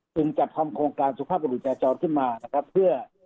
จัดทำโครงการสุภาพบุรุษจราจรขึ้นมานะครับเพื่อ